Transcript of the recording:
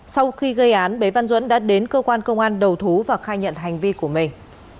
sau khi gây án bế văn duẫn đã đến cơ quan công an đầu thú và khai nhận hành vi của mình